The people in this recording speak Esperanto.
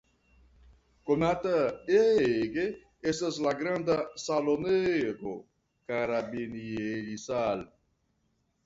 Konata ege estas la granda salonego "Carabinierisaal".